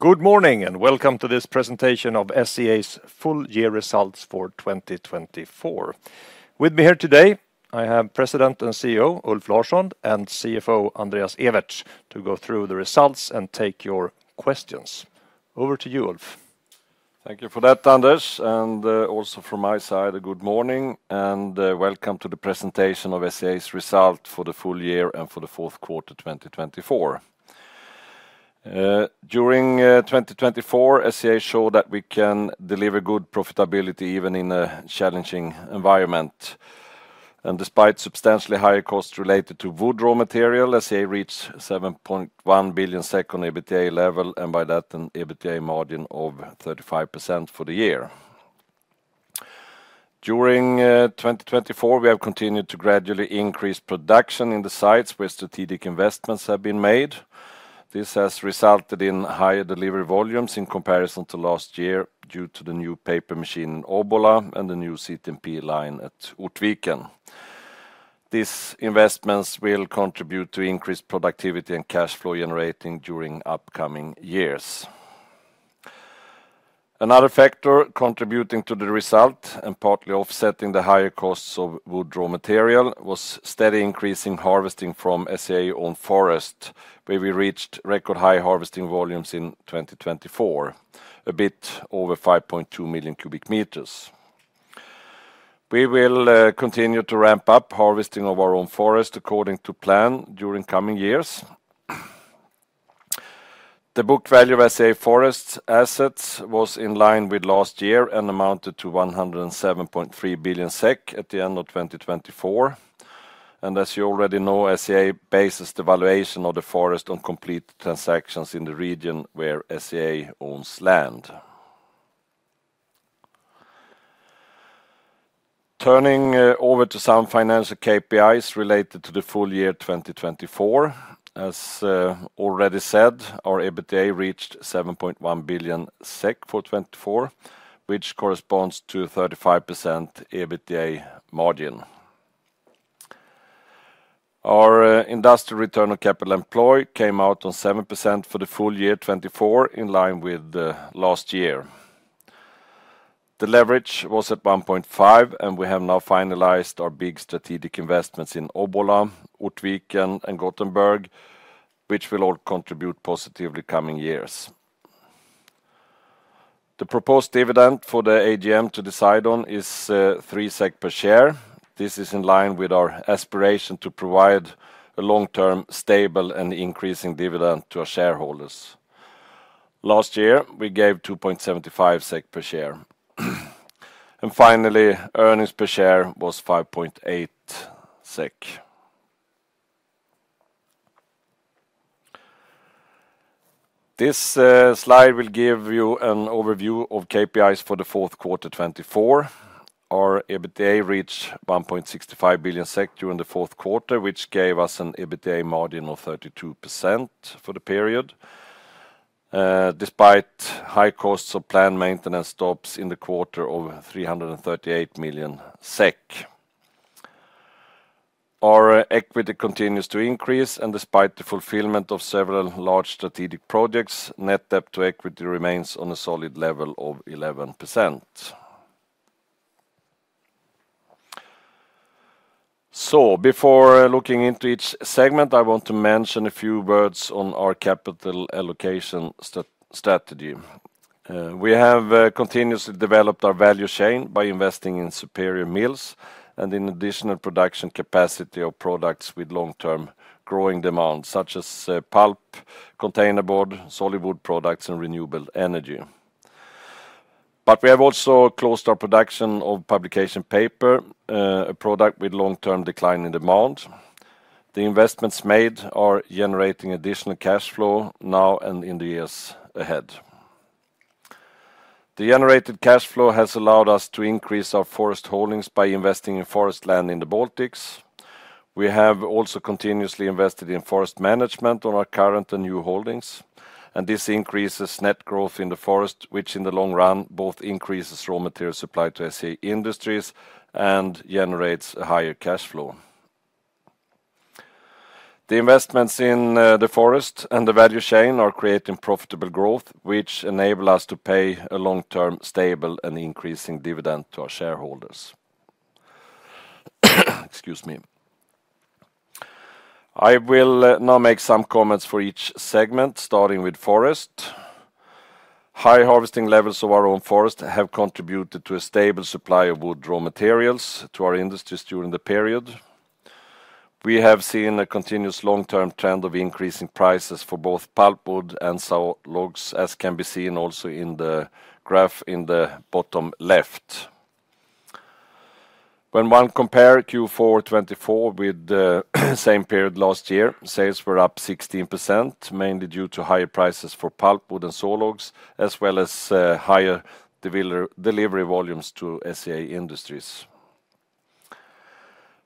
Good morning and welcome to this presentation of SCA's full year results for 2024. With me here today, I have President and CEO Ulf Larsson and CFO Andreas Ewertz to go through the results and take your questions. Over to you, Ulf. Thank you for that, Anders, and also from my side, a good morning and welcome to the presentation of SCA's result for the full year and for the Q4 2024. During 2024, SCA showed that we can deliver good profitability even in a challenging environment, and despite substantially higher costs related to wood raw material, SCA reached 7.1 billion EBITDA level and by that an EBITDA level of 35% for the year. During 2024, we have continued to gradually increase production in the sites where strategic investments have been made. This has resulted in higher delivery volumes in comparison to last year due to the new paper machine in Obbola and the new seat and peel line at Ortviken. These investments will contribute to increased productivity and cash flow generation during upcoming years. Another factor contributing to the result and partly offsetting the higher costs of wood raw material was steady increasing harvesting from SCA-owned forest, where we reached record high harvesting volumes in 2024, a bit over 5.2 million cubic meters. We will continue to ramp up harvesting of our own forest according to plan during coming years. The book value of SCA forest assets was in line with last year and amounted to 107.3 billion SEK at the end of 2024, and as you already know, SCA bases the valuation of the forest on complete transactions in the region where SCA owns land. Turning over to some financial KPIs related to the full year 2024, as already said, our EBITDA reached 7.1 billion SEK for 24, which corresponds to 35% EBITDA margin. Our industrial return on capital employed came out on 7% for the full year 2024, in line with last year. The leverage was at 1.5, and we have now finalized our big strategic investments in Obbola, Ortviken, and Gothenburg, which will all contribute positively coming years. The proposed dividend for the AGM to decide on is 3 SEK per share. This is in line with our aspiration to provide a long-term stable and increasing dividend to our shareholders. Last year, we gave 2.75 SEK per share. Finally, earnings per share was 5.8 SEK. This slide will give you an overview of KPIs for the Q4 2024. Our EBITDA reached 1.65 billion SEK during the Q4, which gave us an EBITDA margin of 32% for the period, despite high costs of planned maintenance stops in the quarter of 338 million SEK. Our equity continues to increase, and despite the fulfillment of several large strategic projects, net debt to equity remains on a solid level of 11%. So before looking into each segment, I want to mention a few words on our capital allocation strategy. We have continuously developed our value chain by investing in superior mills and in additional production capacity of products with long-term growing demand, such as pulp, container board, solid wood products, and renewable energy. But we have also closed our production of publication paper, a product with long-term declining demand. The investments made are generating additional cash flow now and in the years ahead. The generated cash flow has allowed us to increase our forest holdings by investing in forest land in the Baltics. We have also continuously invested in forest management on our current and new holdings, and this increases net growth in the forest, which in the long run both increases raw material supply to SCA industries and generates a higher cash flow. The investments in the forest and the value chain are creating profitable growth, which enable us to pay a long-term stable and increasing dividend to our shareholders. Excuse me. I will now make some comments for each segment, starting with forest. High harvesting levels of our own forest have contributed to a stable supply of wood raw materials to our industries during the period. We have seen a continuous long-term trend of increasing prices for both pulp wood and saw logs, as can be seen also in the graph in the bottom left. When one compared Q4 2024 with the same period last year, sales were up 16%, mainly due to higher prices for pulp wood and saw logs, as well as higher delivery volumes to SCA industries.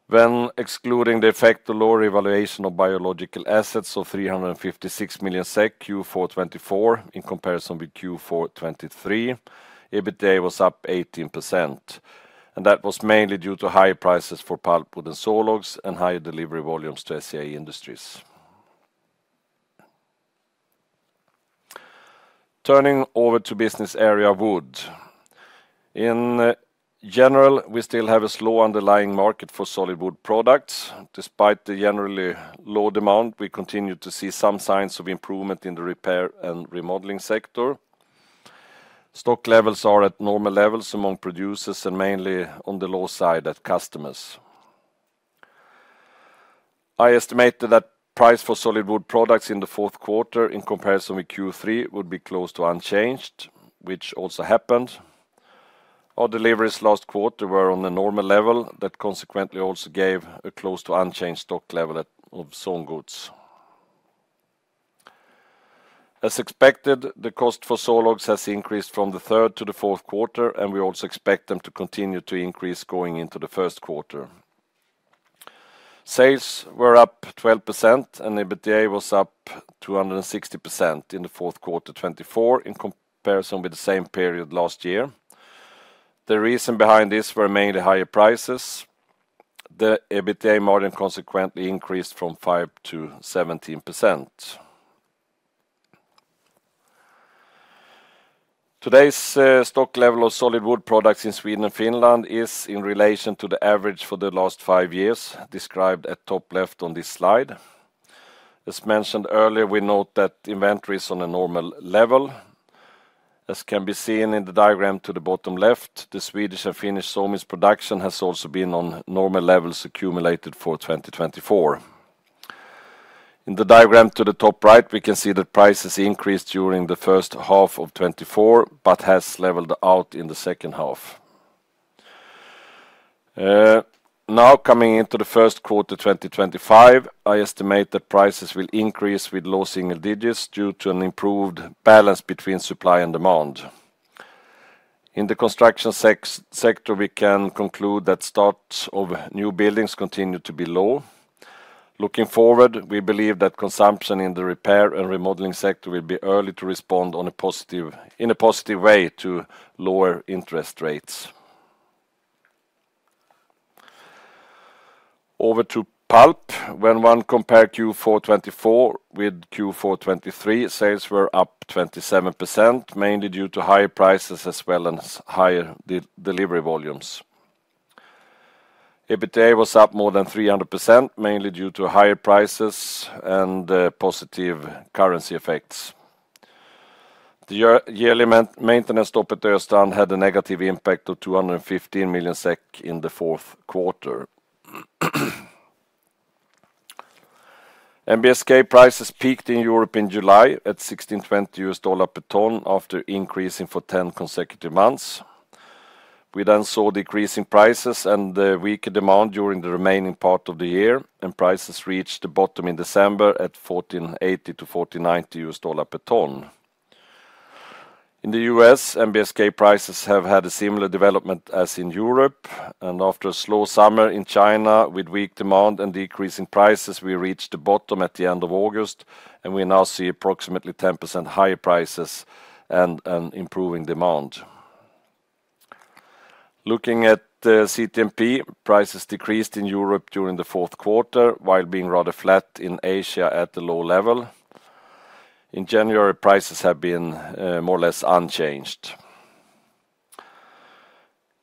When excluding the effect of lower evaluation of biological assets of 356 million SEK Q4 2024 in comparison with Q4 2023, EBITDA was up 18%, and that was mainly due to higher prices for pulp wood and saw logs and higher delivery volumes to SCA industries. Turning over to business area wood. In general, we still have a slow underlying market for solid wood products. Despite the generally low demand, we continue to see some signs of improvement in the repair and remodeling sector. Stock levels are at normal levels among producers and mainly on the low side at customers. I estimated that price for solid wood products in the Q4 in comparison with Q3 would be close to unchanged, which also happened. Our deliveries last quarter were on the normal level that consequently also gave a close to unchanged stock level of saw goods. As expected, the cost for saw logs has increased from the third to the Q4, and we also expect them to continue to increase going into the Q1. Sales were up 12%, and EBITDA was up 260% in the Q4 2024 in comparison with the same period last year. The reason behind this were mainly higher prices. The EBITDA margin consequently increased from 5 to 17%. Today's stock level of solid wood products in Sweden and Finland is in relation to the average for the last five years described at top left on this slide. As mentioned earlier, we note that inventory is on a normal level, as can be seen in the diagram to the bottom left. The Swedish and Finnish sawmills production has also been on normal levels accumulated for 2024. In the diagram to the top right, we can see that prices increased during the first half of 2024 but have leveled out in the second half. Now coming into the Q1 2025, I estimate that prices will increase with low single digits due to an improved balance between supply and demand. In the construction sector, we can conclude that starts of new buildings continue to be low. Looking forward, we believe that consumption in the repair and remodeling sector will be early to respond in a positive way to lower interest rates. Over to pulp. When one compared Q4 2024 with Q4 2023, sales were up 27%, mainly due to higher prices as well as higher delivery volumes. EBITDA was up more than 300%, mainly due to higher prices and positive currency effects. The yearly maintenance stopped at Östrand had a negative impact of 215 million SEK in the Q4. MBSK prices peaked in Europe in July at $1,620 per ton after increasing for 10 consecutive months. We then saw decreasing prices and weaker demand during the remaining part of the year, and prices reached the bottom in December at $1,480-$1,490 per ton. In the US, MBSK prices have had a similar development as in Europe, and after a slow summer in China with weak demand and decreasing prices, we reached the bottom at the end of August, and we now see approximately 10% higher prices and an improving demand. Looking at CTMP, prices decreased in Europe during the Q4 while being rather flat in Asia at the low level. In January, prices have been more or less unchanged.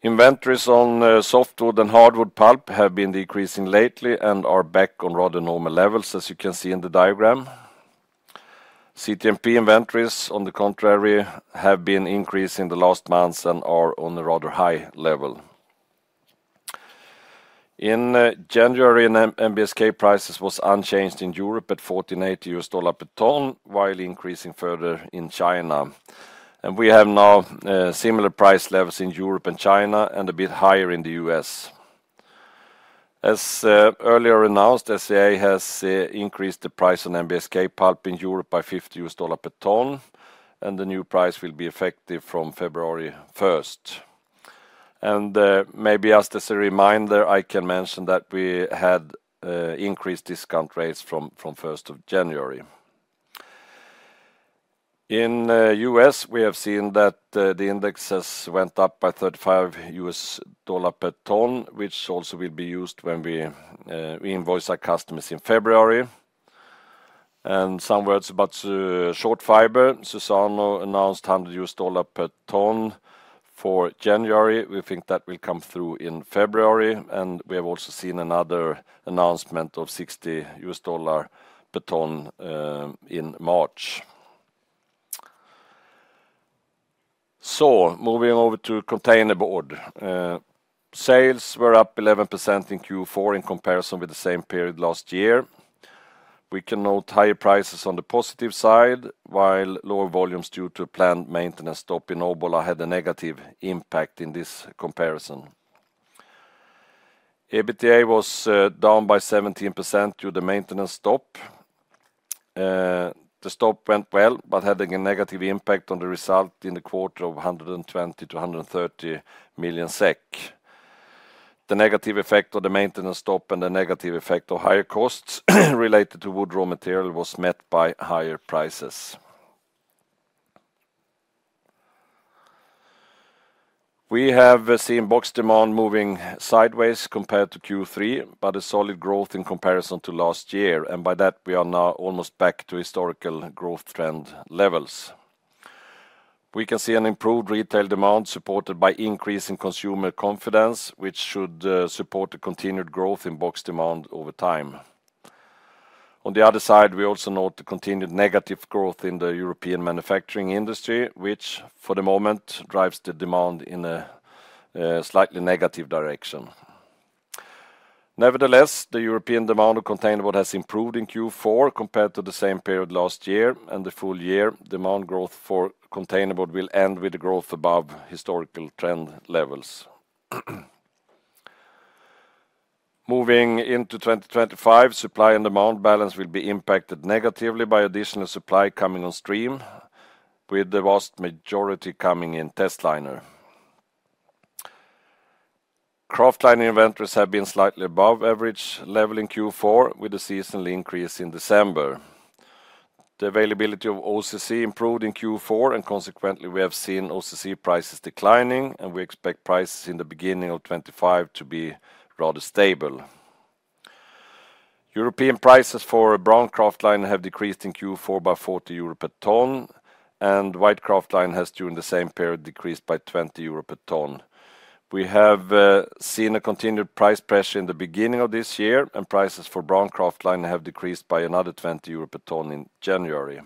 Inventories on softwood and hardwood pulp have been decreasing lately and are back on rather normal levels, as you can see in the diagram. CTMP inventories, on the contrary, have been increasing the last months and are on a rather high level. In January, MBSK prices were unchanged in Europe at $1,480 per ton, while increasing further in China. We have now similar price levels in Europe and China and a bit higher in the US. As earlier announced, SCA has increased the price on MBSK pulp in Europe by $50 per ton, and the new price will be effective from February 1st. Maybe as a reminder, I can mention that we had increased discount rates from 1st of January. In the US, we have seen that the indexes went up by $35 per ton, which also will be used when we invoice our customers in February. Some words about short fiber. Suzano announced $100 per ton for January. We think that will come through in February, and we have also seen another announcement of $60 per ton in March. Moving over to container board. Sales were up 11% in Q4 in comparison with the same period last year. We can note higher prices on the positive side, while lower volumes due to planned maintenance stop in Obbola had a negative impact in this comparison. EBITDA was down by 17% due to the maintenance stop. The stop went well but had a negative impact on the result in the quarter of 120-130 million SEK. The negative effect of the maintenance stop and the negative effect of higher costs related to wood raw material was met by higher prices. We have seen box demand moving sideways compared to Q3, but a solid growth in comparison to last year, and by that we are now almost back to historical growth trend levels. We can see an improved retail demand supported by increasing consumer confidence, which should support the continued growth in box demand over time. On the other side, we also note the continued negative growth in the European manufacturing industry, which for the moment drives the demand in a slightly negative direction. Nevertheless, the European demand for containerboard has improved in Q4 compared to the same period last year, and the full year demand growth for containerboard will end with a growth above historical trend levels. Moving into 2025, supply and demand balance will be impacted negatively by additional supply coming on stream, with the vast majority coming in testliner. Kraft liner inventories have been slightly above average level in Q4, with a seasonal increase in December. The availability of OCC improved in Q4, and consequently we have seen OCC prices declining, and we expect prices in the beginning of 2025 to be rather stable. European prices for brown kraft liner have decreased in Q4 by 40 euro per ton, and white kraft liner has during the same period decreased by 20 euro per ton. We have seen a continued price pressure in the beginning of this year, and prices for brown kraft liner have decreased by another 20 euro per ton in January.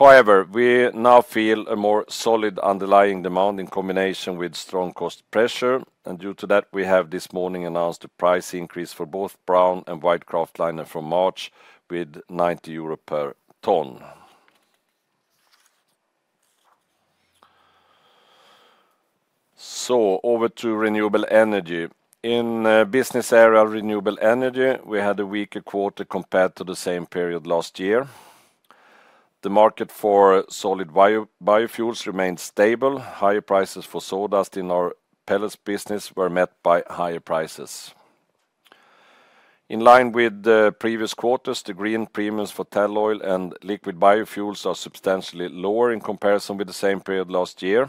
However, we now feel a more solid underlying demand in combination with strong cost pressure, and due to that we have this morning announced a price increase for both brown and white kraft liner from March with 90 euro per ton. So over to renewable energy. In business area renewable energy, we had a weaker quarter compared to the same period last year. The market for solid biofuels remained stable. Higher prices for sawdust in our pellets business were met by higher prices. In line with the previous quarters, the green premiums for tall oil and liquid biofuels are substantially lower in comparison with the same period last year.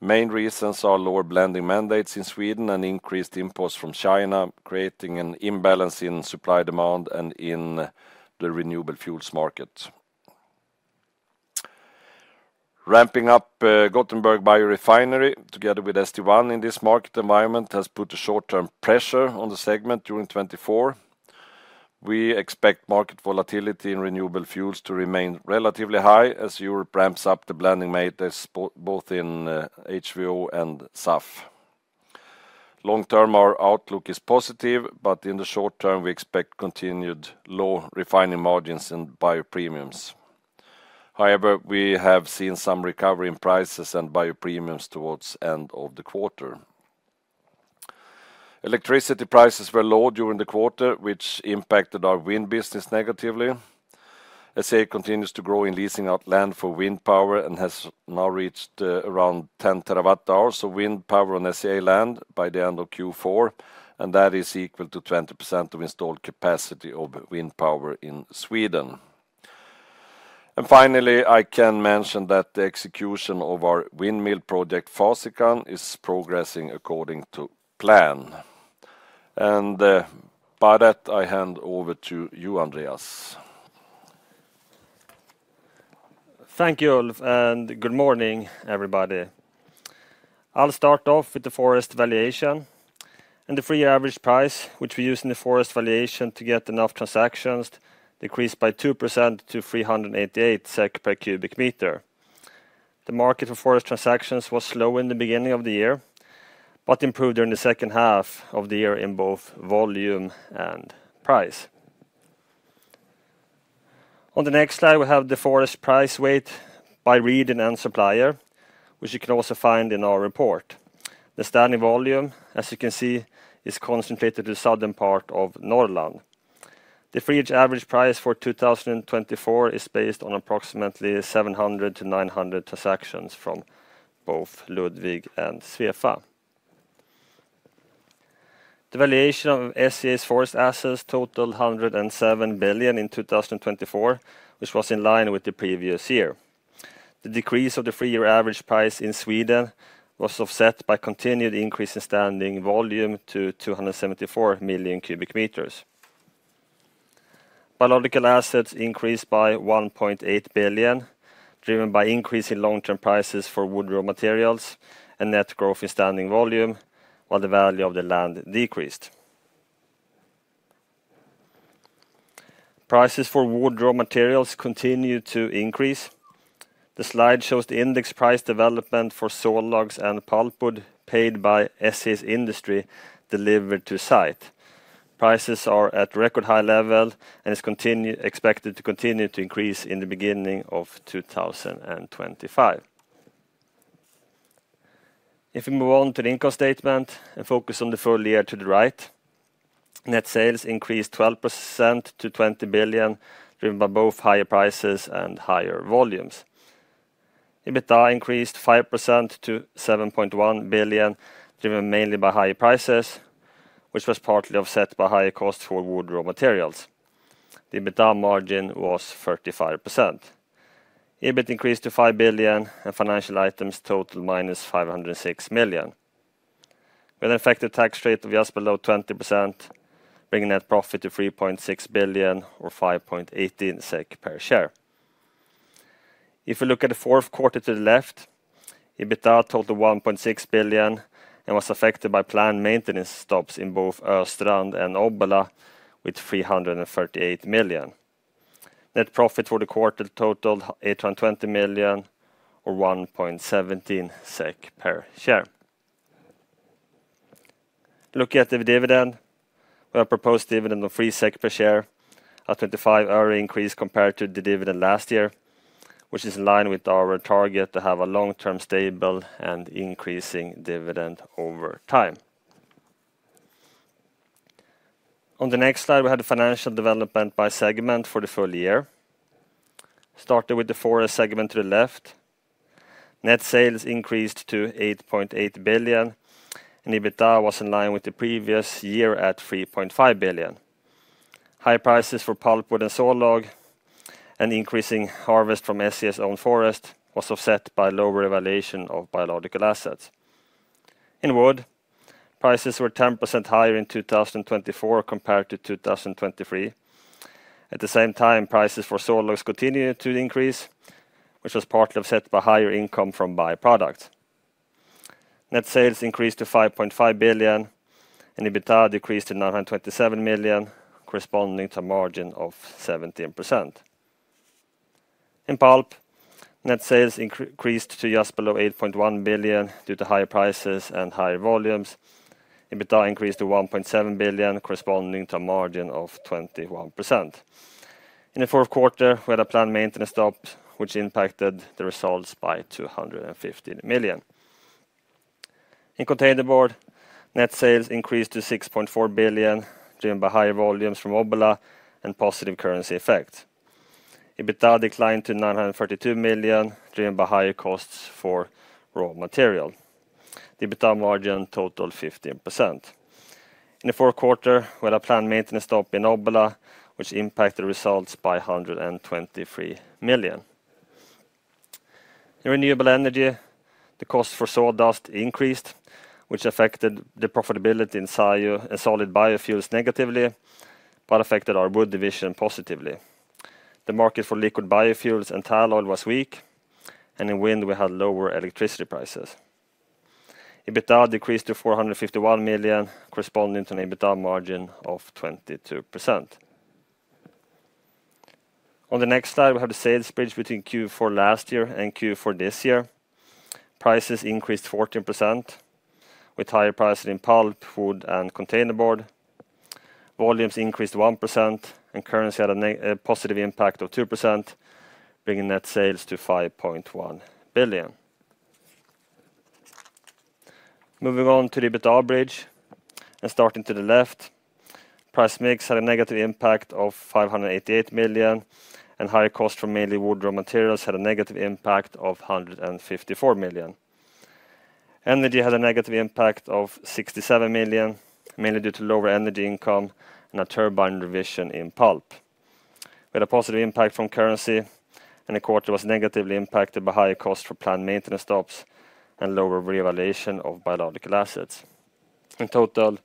Main reasons are lower blending mandates in Sweden and increased imports from China, creating an imbalance in supply and demand and in the renewable fuels market. Ramping up Gothenburg Biorefinery together with SD1 in this market environment has put a short-term pressure on the segment during 2024. We expect market volatility in renewable fuels to remain relatively high as Europe ramps up the blending mandates both in HVO and SAF. Long-term, our outlook is positive, but in the short term we expect continued low refining margins and bio premiums. However, we have seen some recovery in prices and bio premiums towards the end of the quarter. Electricity prices were low during the quarter, which impacted our wind business negatively. SCA continues to grow in leasing out land for wind power and has now reached around 10 terawatt hours of wind power on SCA land by the end of Q4, and that is equal to 20% of installed capacity of wind power in Sweden. And finally, I can mention that the execution of our windmill project Fasikan is progressing according to plan. And by that, I hand over to you, Andreas. Thank you, Ulf, and good morning, everybody. I'll start off with the forest valuation. And the free average price, which we use in the forest valuation to get enough transactions, decreased by 2% to 388 SEK per cubic meter. The market for forest transactions was slow in the beginning of the year, but improved during the second half of the year in both volume and price. On the next slide, we have the forest price weight by region and supplier, which you can also find in our report. The standing volume, as you can see, is concentrated in the southern part of Norrland. The free average price for 2024 is based on approximately 700 to 900 transactions from both Ludwig and Svefa. The valuation of SCA's forest assets totaled 107 billion in 2024, which was in line with the previous year. The decrease of the three-year average price in Sweden was offset by continued increase in standing volume to 274 million cubic meters. Biological assets increased by 1.8 billion, driven by increasing long-term prices for wood raw materials and net growth in standing volume, while the value of the land decreased. Prices for wood raw materials continue to increase. The slide shows the index price development for saw logs and pulpwood paid by SCA's industry delivered to site. Prices are at record high level and are expected to continue to increase in the beginning of 2025. If we move on to the income statement and focus on the full year to the right, net sales increased 12% to 20 billion, driven by both higher prices and higher volumes. EBITDA increased 5% to 7.1 billion, driven mainly by higher prices, which was partly offset by higher costs for wood raw materials. The EBITDA margin was 35%. EBIT increased to 5 billion and financial items totaled minus 506 million. With an effective tax rate of just below 20%, bringing net profit to 3.6 billion or 5.18 SEK per share. If we look at the Q4 to the left, EBITDA totaled 1.6 billion and was affected by planned maintenance stops in both Östrand and Obbola with 338 million. Net profit for the quarter totaled 820 million or 1.17 SEK per share. Looking at the dividend, we have proposed dividend of 3 SEK per share, a 25% increase compared to the dividend last year, which is in line with our target to have a long-term stable and increasing dividend over time. On the next slide, we had the financial development by segment for the full year. Starting with the forest segment to the left, net sales increased to 8.8 billion, and EBITDA was in line with the previous year at 3.5 billion. High prices for pulpwood and saw log and increasing harvest from SCA's own forest was offset by lower valuation of biological assets. In wood, prices were 10% higher in 2024 compared to 2023. At the same time, prices for saw logs continued to increase, which was partly offset by higher income from byproducts. Net sales increased to 5.5 billion, and EBITDA decreased to 927 million, corresponding to a margin of 17%. In pulp, net sales increased to just below 8.1 billion due to higher prices and higher volumes. EBITDA increased to 1.7 billion, corresponding to a margin of 21%. In the Q4, we had a planned maintenance stop, which impacted the results by 215 million. In container board, net sales increased to 6.4 billion, driven by higher volumes from Obbola and positive currency effect. EBITDA declined to 932 million, driven by higher costs for raw material. The EBITDA margin totaled 15%. In the Q4, we had a planned maintenance stop in Obbola, which impacted the results by 123 million. In renewable energy, the cost for sawdust increased, which affected the profitability in solid biofuels negatively, but affected our wood division positively. The market for liquid biofuels and tall oil was weak, and in wind, we had lower electricity prices. EBITDA decreased to 451 million, corresponding to an EBITDA margin of 22%. On the next slide, we have the sales bridge between Q4 last year and Q4 this year. Prices increased 14%, with higher prices in pulp, wood, and containerboard. Volumes increased 1%, and currency had a positive impact of 2%, bringing net sales to 5.1 billion. Moving on to the EBITDA bridge, and starting to the left, price mix had a negative impact of 588 million, and higher costs for mainly wood raw materials had a negative impact of 154 million. Energy had a negative impact of 67 million, mainly due to lower energy income and a turnover revision in pulp. We had a positive impact from currency, and the quarter was negatively impacted by higher costs for planned maintenance stops and lower revaluation of biological assets. In total,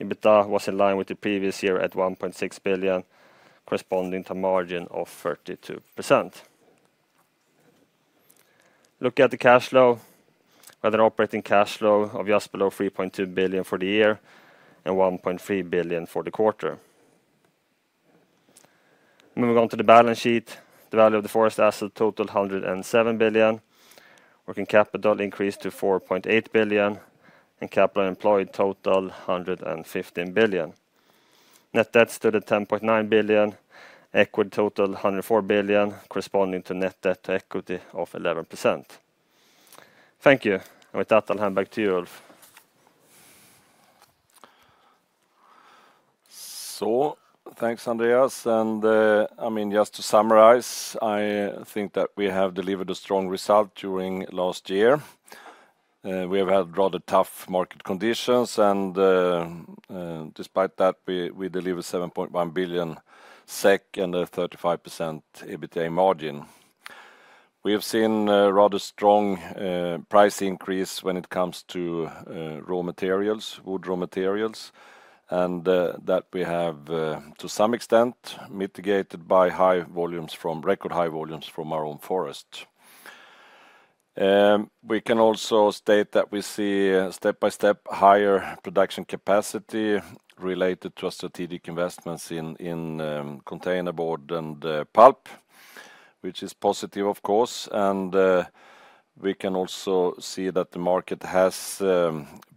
EBITDA was in line with the previous year at 1.6 billion, corresponding to a margin of 32%. Looking at the cash flow, we had an operating cash flow of just below 3.2 billion for the year and 1.3 billion for the quarter. Moving on to the balance sheet, the value of the forest asset totaled 107 billion, working capital increased to 4.8 billion, and capital employed totaled 115 billion. Net debt stood at 10.9 billion, equity totaled 104 billion, corresponding to net debt to equity of 11%. Thank you, and with that, I'll hand back to you, Ulf. So, thanks, Andreas. I mean, just to summarize, I think that we have delivered a strong result during last year. We have had rather tough market conditions, and despite that, we delivered 7.1 billion SEK and a 35% EBITDA margin. We have seen a rather strong price increase when it comes to raw materials, wood raw materials, and that we have, to some extent, mitigated by high volumes from record high volumes from our own forest. We can also state that we see step by step higher production capacity related to our strategic investments in containerboard and pulp, which is positive, of course. We can also see that the market has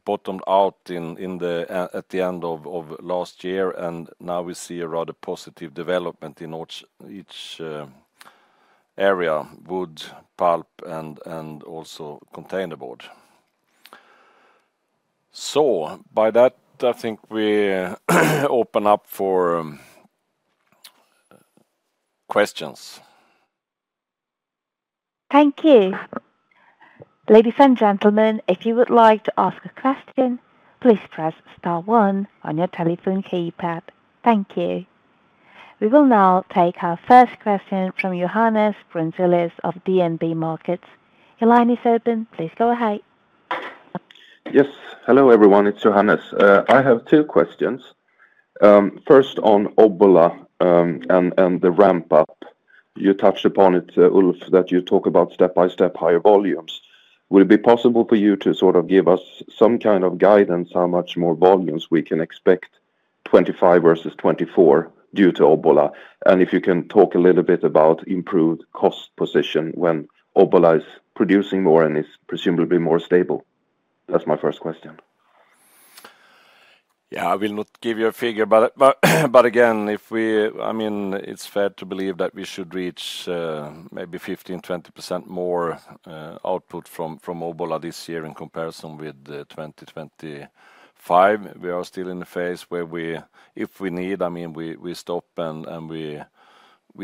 bottomed out at the end of last year, and now we see a rather positive development in each area: wood, pulp, and also containerboard. By that, I think we open up for questions. Thank you. Ladies and gentlemen, if you would like to ask a question, please press star one on your telephone keypad. Thank you. We will now take our first question from Johannes Brunsilis of DNB Markets. Your line is open, please go ahead. Yes, hello everyone, it's Johannes. I have two questions. First, on Obbola and the ramp-up, you touched upon it, Ulf, that you talk about step by step higher volumes. Would it be possible for you to sort of give us some kind of guidance how much more volumes we can expect, 25 versus 24, due to Obbola? And if you can talk a little bit about improved cost position when Obbola is producing more and is presumably more stable. That's my first question. Yeah, I will not give you a figure, but again, if we, I mean, it's fair to believe that we should reach maybe 15-20% more output from Obbola this year in comparison with 2025. We are still in a phase where we, if we need, I mean, we stop and we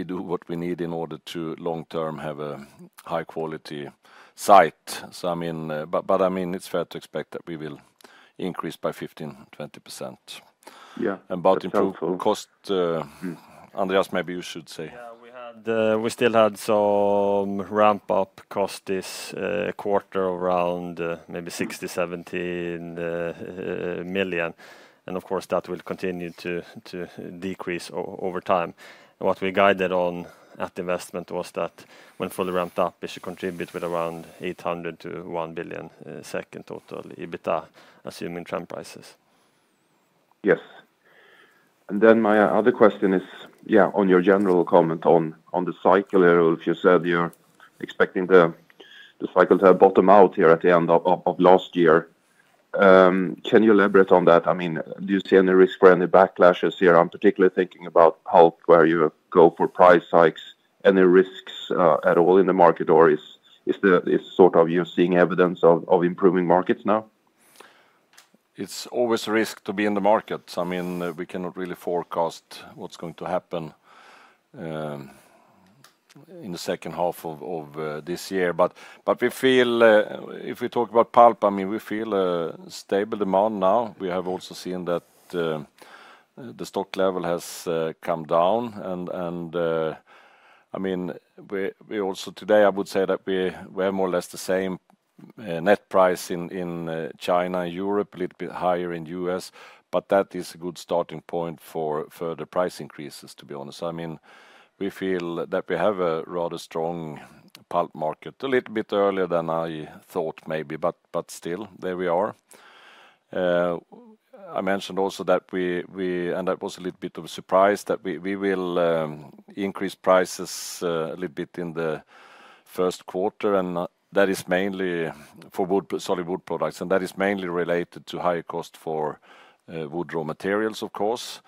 do what we need in order to long-term have a high-quality site. So, I mean, but I mean, it's fair to expect that we will increase by 15-20%. Yeah, and about improved cost, Andreas, maybe you should say. Yeah, we still had some ramp-up cost this quarter of around maybe 60-70 million SEK. And of course, that will continue to decrease over time. What we guided on at investment was that when fully ramped up, we should contribute with around 800-1 billion SEK in total EBITDA, assuming trend prices. Yes. And then my other question is, yeah, on your general comment on the cycle, Ulf. You said you're expecting the cycle to bottom out here at the end of last year. Can you elaborate on that? I mean, do you see any risk for any backlashes here? I'm particularly thinking about pulp where you go for price hikes. Any risks at all in the market, or is sort of you're seeing evidence of improving markets now? It's always a risk to be in the market. I mean, we cannot really forecast what's going to happen in the second half of this year. But we feel, if we talk about pulp, I mean, we feel a stable demand now. We have also seen that the stock level has come down. And, I mean, we also, today, I would say that we have more or less the same net price in China and Europe, a little bit higher in the US. But that is a good starting point for further price increases, to be honest. I mean, we feel that we have a rather strong pulp market a little bit earlier than I thought, maybe, but still, there we are. I mentioned also that we, and that was a little bit of a surprise, that we will increase prices a little bit in the Q1, and that is mainly for solid wood products. And that is mainly related to higher cost for wood raw materials, of course.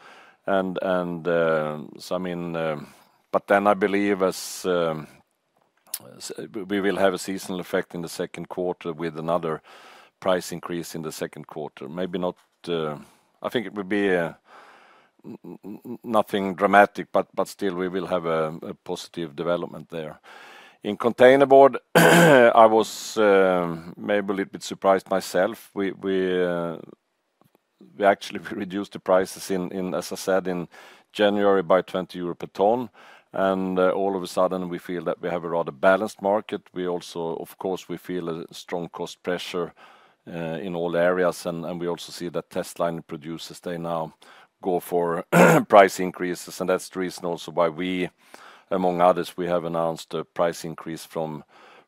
And so, I mean, but then I believe we will have a seasonal effect in the Q2 with another price increase in the Q2. Maybe not, I think it would be nothing dramatic, but still, we will have a positive development there. In container board, I was maybe a little bit surprised myself. We actually reduced the prices, as I said, in January by 20 euro per ton. And all of a sudden, we feel that we have a rather balanced market. We also, of course, we feel a strong cost pressure in all areas. And we also see that tissue line producers, they now go for price increases. And that's the reason also why we, among others, we have announced a price increase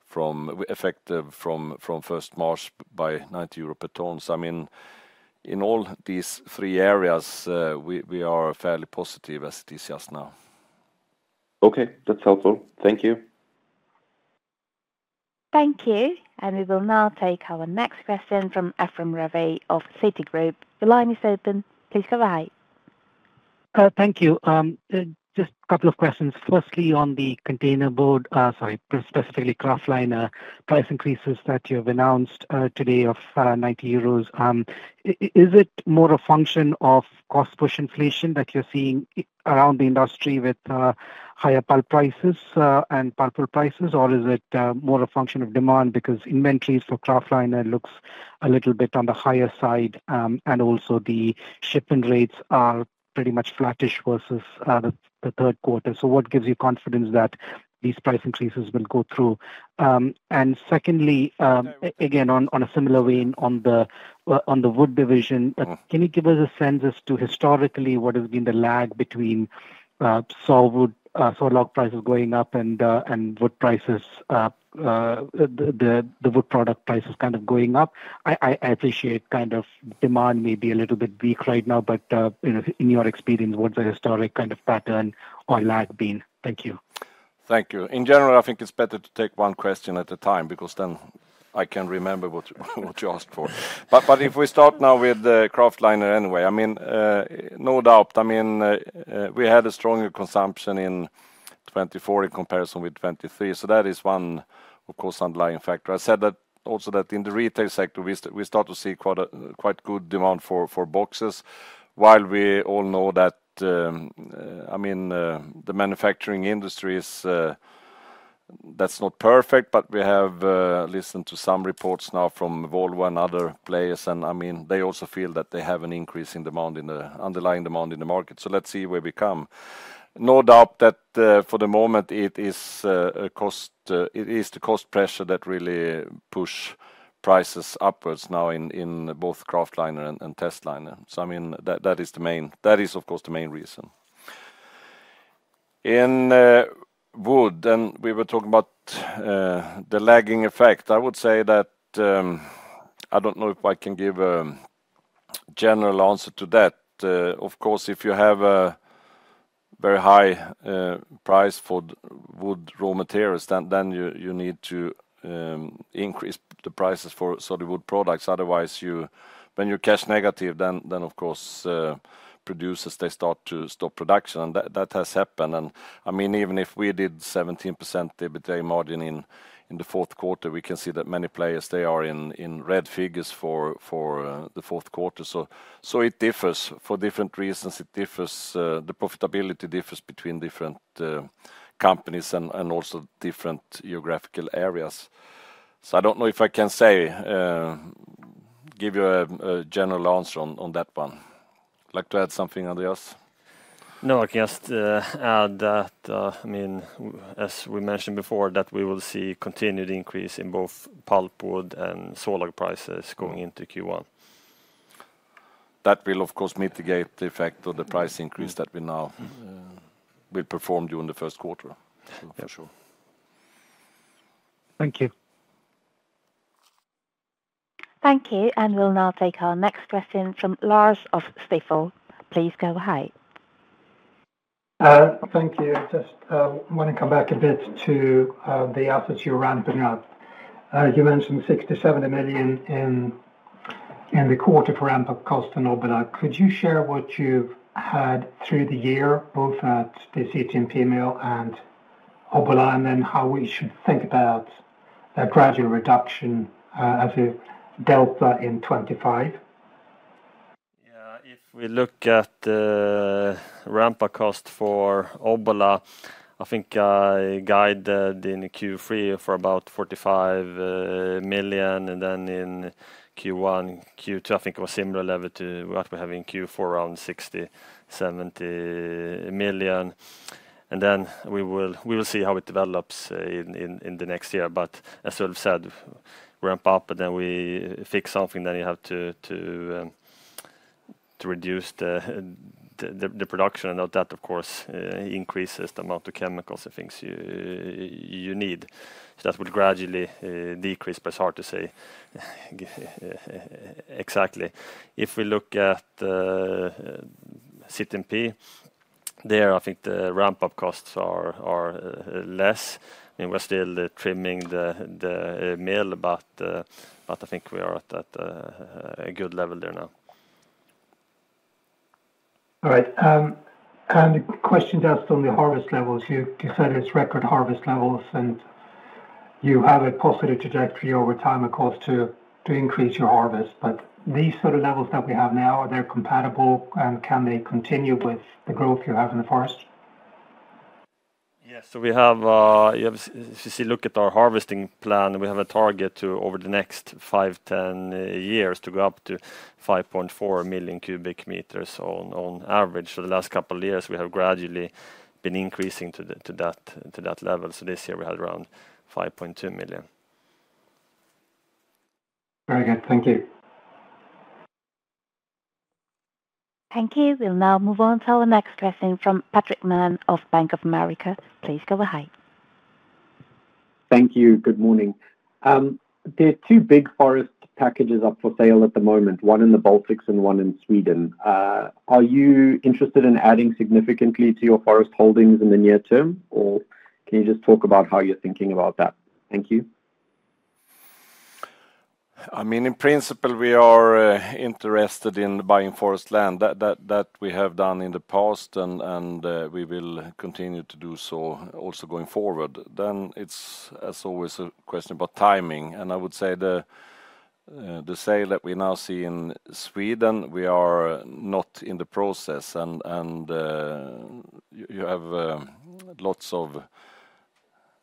effective from first March by 90 euro per ton. So, I mean, in all these three areas, we are fairly positive as it is just now. Okay, that's helpful. Thank you. Thank you. And we will now take our next question from Ephrem Ravi of Citigroup. The line is open. Please go ahead. Thank you. Just a couple of questions. Firstly, on the containerboard, sorry, specifically kraftliner price increases that you have announced today of 90 euros. Is it more a function of cost-push inflation that you're seeing around the industry with higher pulp prices and pulpwood prices, or is it more a function of demand? Because inventories for kraftliner look a little bit on the higher side, and also the shipping rates are pretty much flattish versus the Q3. So what gives you confidence that these price increases will go through? And secondly, again, on a similar vein on the wood division, can you give us a sense as to historically what has been the lag between saw log prices going up and wood prices, the wood product prices kind of going up? I appreciate kind of demand may be a little bit weak right now, but in your experience, what's the historical kind of pattern or lag been? Thank you. Thank you. In general, I think it's better to take one question at a time because then I can remember what you asked for. But if we start now with kraftliner anyway, I mean, no doubt, I mean, we had a stronger consumption in 2024 in comparison with 2023. So that is one, of course, underlying factor. I said that also that in the retail sector, we start to see quite good demand for boxes. While we all know that, I mean, the manufacturing industry is, that's not perfect, but we have listened to some reports now from Volvo and other players. I mean, they also feel that they have an increase in demand, in the underlying demand in the market. So let's see where we come. No doubt that for the moment it is the cost pressure that really pushes prices upwards now in both Kraftliner and Testliner. So I mean, that is the main, that is of course the main reason. In wood, and we were talking about the lagging effect, I would say that I don't know if I can give a general answer to that. Of course, if you have a very high price for wood raw materials, then you need to increase the prices for solid wood products. Otherwise, when you're cash negative, then of course producers, they start to stop production. And that has happened. And I mean, even if we did 17% EBITDA margin in the Q4, we can see that many players, they are in red figures for the Q4. So it differs for different reasons. It differs, the profitability differs between different companies and also different geographical areas. So I don't know if I can say, give you a general answer on that one. Like to add something, Andreas? No, I can just add that, I mean, as we mentioned before, that we will see continued increase in both pulpwood and saw log prices going into Q1. That will of course mitigate the effect of the price increase that we now will perform during the Q1 for sure. Thank you. Thank you. And we'll now take our next question from Lars of Stifel. Please go ahead. Thank you. Just want to come back a bit to the assets you're ramping up. You mentioned 60-70 million in the quarter for ramp-up cost in Obbola. Could you share what you've had through the year, both at the CTMP mill and Obbola, and then how we should think about that gradual reduction as a delta in 2025? Yeah, if we look at ramp-up cost for Obbola, I think I guided in Q3 for about 45 million. And then in Q1, Q2, I think it was similar level to what we have in Q4, around 60-70 million. And then we will see how it develops in the next year. But as we've said, ramp up, but then we fix something, then you have to reduce the production. And that, of course, increases the amount of chemicals and things you need. So that would gradually decrease, but it's hard to say exactly. If we look at CTMP, there I think the ramp-up costs are less. I mean, we're still trimming the mill, but I think we are at a good level there now. All right. And questions asked on the harvest levels. You said it's record harvest levels and you have a positive trajectory over time across to increase your harvest. But these sort of levels that we have now, are they compatible and can they continue with the growth you have in the forest? Yes, so we have, if you see, look at our harvesting plan, we have a target to over the next 5-10 years to go up to 5.4 million cubic meters on average. So the last couple of years we have gradually been increasing to that level. So this year we had around 5.2 million. Very good. Thank you. Thank you. We'll now move on to our next question from Patrick Mann of Bank of America. Please go ahead. Thank you. Good morning. There are two big forest packages up for sale at the moment, one in the Baltics and one in Sweden. Are you interested in adding significantly to your forest holdings in the near term, or can you just talk about how you're thinking about that? Thank you. I mean, in principle, we are interested in buying forest land that we have done in the past and we will continue to do so also going forward. Then it's, as always, a question about timing. And I would say the sale that we now see in Sweden, we are not in the process. And you have lots of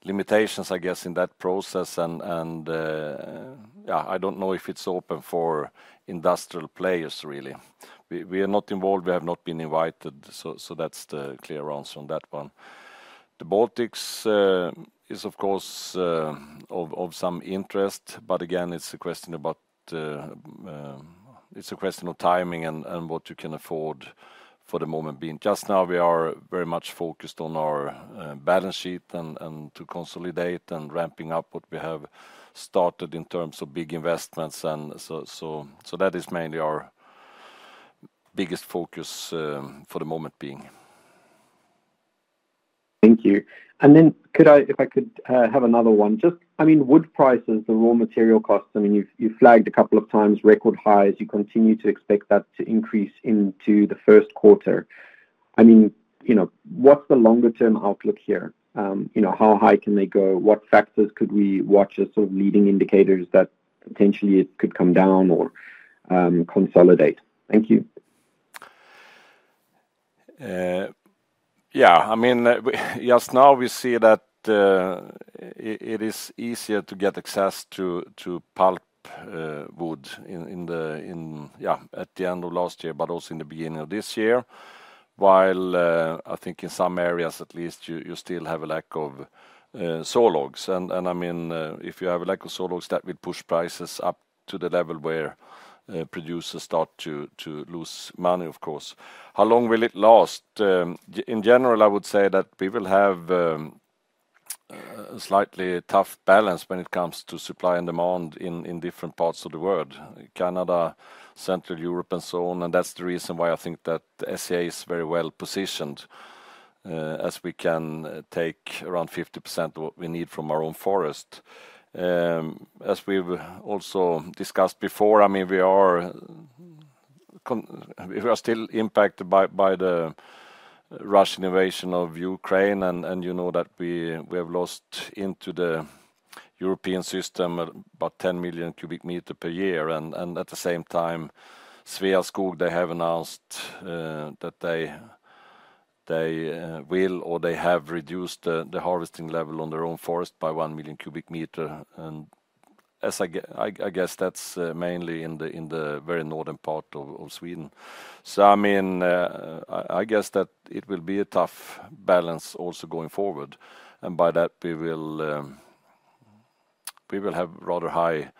limitations, I guess, in that process. And yeah, I don't know if it's open for industrial players, really. We are not involved. We have not been invited. So that's the clear answer on that one. The Baltics is, of course, of some interest, but again, it's a question about, it's a question of timing and what you can afford for the moment being. Just now, we are very much focused on our balance sheet and to consolidate and ramping up what we have started in terms of big investments, and so that is mainly our biggest focus for the moment being. Thank you, and then could I, if I could have another one, just, I mean, wood prices, the raw material costs, I mean, you flagged a couple of times record highs. You continue to expect that to increase into the Q1. I mean, what's the longer-term outlook here? How high can they go? What factors could we watch as sort of leading indicators that potentially it could come down or consolidate? Thank you. Yeah, I mean, just now we see that it is easier to get access to pulp wood in, yeah, at the end of last year, but also in the beginning of this year. While I think in some areas, at least, you still have a lack of saw logs. I mean, if you have a lack of saw logs, that will push prices up to the level where producers start to lose money, of course. How long will it last? In general, I would say that we will have a slightly tough balance when it comes to supply and demand in different parts of the world, Canada, Central Europe, and so on. That's the reason why I think that SCA is very well positioned as we can take around 50% of what we need from our own forest. As we've also discussed before, I mean, we are still impacted by the Russian invasion of Ukraine. And you know that we have lost into the European system about 10 million cubic meters per year. And at the same time, Sveaskog, they have announced that they will or they have reduced the harvesting level on their own forest by one million cubic meters. And I guess that's mainly in the very northern part of Sweden. So I mean, I guess that it will be a tough balance also going forward. And by that, we will have rather high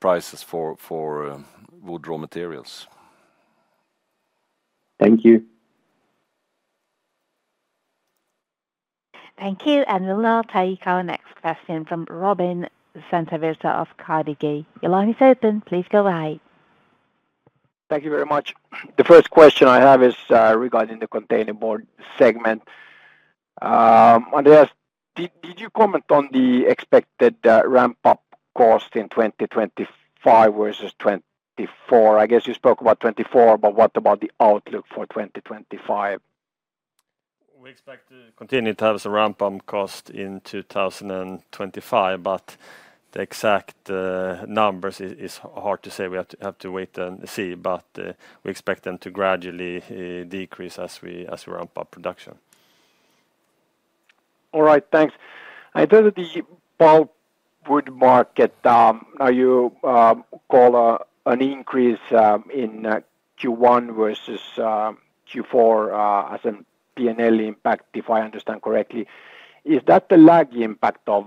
prices for wood raw materials. Thank you. Thank you. And we'll now take our next question from Robin Santaverde of Carnegie. Your line is open. Please go ahead. Thank you very much. The first question I have is regarding the containerboard segment. Andreas, did you comment on the expected ramp-up cost in 2025 versus 2024? I guess you spoke about 2024, but what about the outlook for 2025? We expect to continue to have some ramp-up cost in 2025, but the exact numbers are hard to say. We have to wait and see. But we expect them to gradually decrease as we ramp up production. All right. Thanks. I know that the bulk wood market, now you call an increase in Q1 versus Q4 as a P&L impact, if I understand correctly. Is that the lag impact of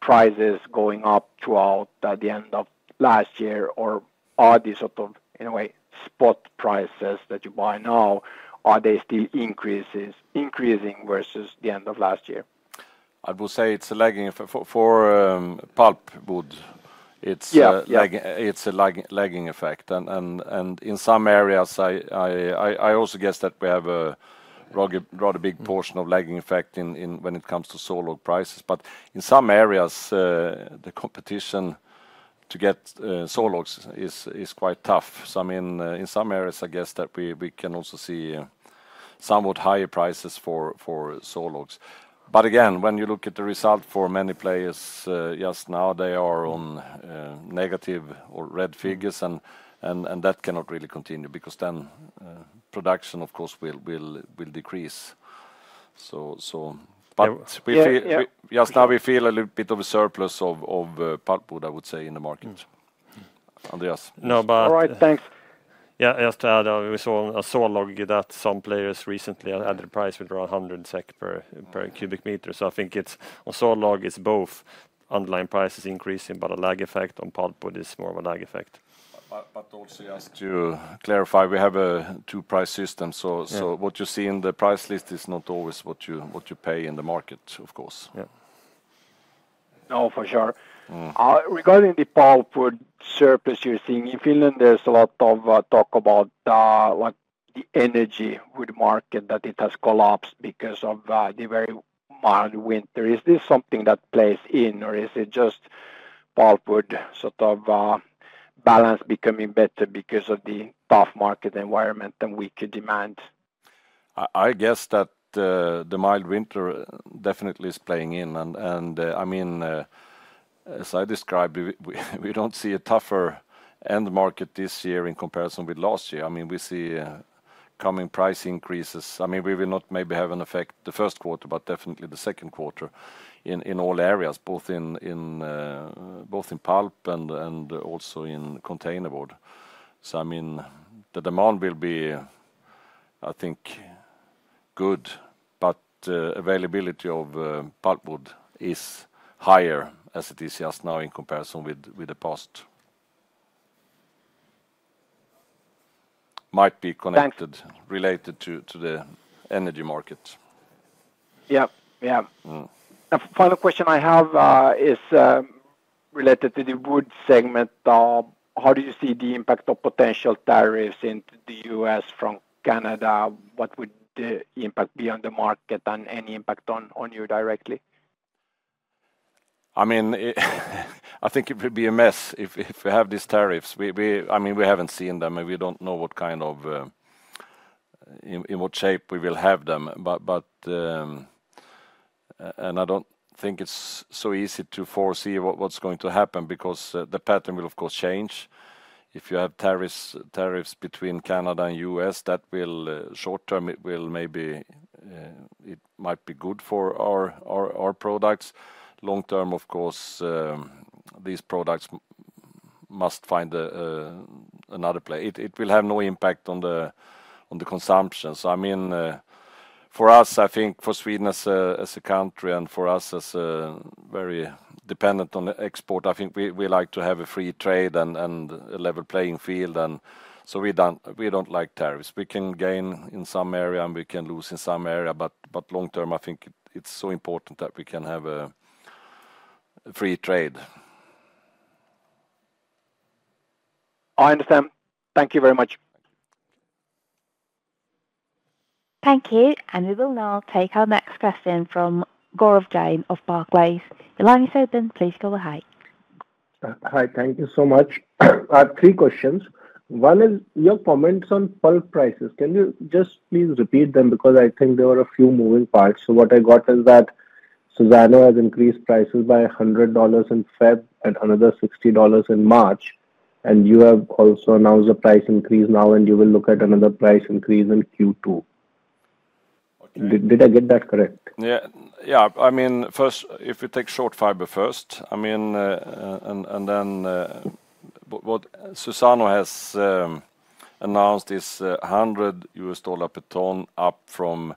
prices going up throughout the end of last year? Or are these sort of, in a way, spot prices that you buy now, are they still increasing versus the end of last year? I will say it's a lagging for pulp wood. It's a lagging effect. In some areas, I also guess that we have a rather big portion of lagging effect when it comes to saw log prices. But in some areas, the competition to get saw logs is quite tough. So I mean, in some areas, I guess that we can also see somewhat higher prices for saw logs. But again, when you look at the result for many players, just now they are on negative or red figures. And that cannot really continue because then production, of course, will decrease. So just now we feel a little bit of a surplus of pulp wood, I would say, in the market. Andreas? No, but all right. Thanks. Yeah, just to add, we saw a saw log that some players recently had the price with around 100 SEK per cubic meter. So I think on saw log, it's both underlying prices increasing, but a lag effect on pulp wood is more of a lag effect. But also just to clarify, we have a two-price system. So what you see in the price list is not always what you pay in the market, of course. Yeah. No, for sure. Regarding the pulp wood surplus you're seeing in Finland, there's a lot of talk about the energy wood market that it has collapsed because of the very mild winter. Is this something that plays in, or is it just pulp wood sort of balance becoming better because of the tough market environment and weaker demand? I guess that the mild winter definitely is playing in. And I mean, as I described, we don't see a tougher end market this year in comparison with last year. I mean, we see coming price increases. I mean, we will not maybe have an effect the Q1, but definitely the Q2 in all areas, both in pulp and also in container board. So I mean, the demand will be, I think, good, but availability of pulp wood is higher as it is just now in comparison with the past. Might be connected related to the energy market. Yeah. Yeah. A final question I have is related to the wood segment. How do you see the impact of potential tariffs into the U.S. from Canada? What would the impact be on the market and any impact on you directly? I mean, I think it would be a mess if we have these tariffs. I mean, we haven't seen them. We don't know what kind of, in what shape we will have them. I don't think it's so easy to foresee what's going to happen because the pattern will, of course, change. If you have tariffs between Canada and U.S., that will, short term, it will maybe, it might be good for our products. Long term, of course, these products must find another place. It will have no impact on the consumption. So I mean, for us, I think for Sweden as a country and for us as very dependent on export, I think we like to have a free trade and a level playing field. So we don't like tariffs. We can gain in some area and we can lose in some area. Long term, I think it's so important that we can have a free trade. I understand. Thank you very much. Thank you. We will now take our next question from Gaurav Jain of Barclays. Your line is open. Please go ahead. Hi. Thank you so much. I have three questions. One is your comments on pulp prices. Can you just please repeat them because I think there were a few moving parts? So what I got is that Suzano has increased prices by $100 in February and another $60 in March. And you have also announced a price increase now, and you will look at another price increase in Q2. Did I get that correct? Yeah. Yeah. I mean, first, if we take short fiber first, I mean, and then what Suzano has announced is $100 per ton up from